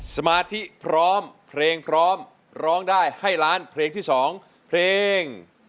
สมาธิพร้อมเพลงพร้อมร้องได้ให้ล้านเพลงที่๒เพลง